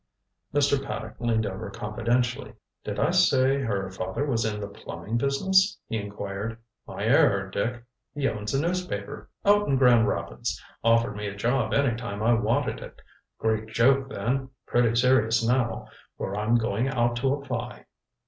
Mr. Paddock leaned over confidentially. "Did I say her father was in the plumbing business?" he inquired. "My error, Dick. He owns a newspaper out in Grand Rapids. Offered me a job any time I wanted it. Great joke then pretty serious now. For I'm going out to apply."